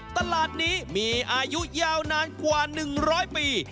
ตลาดนี้มีอายุยาวนานกว่า๑๐๐ปี